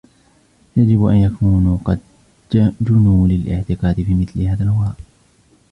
يجب أن يكونوا قد جُنّوا للاعتقاد في مثل هذا الهراء.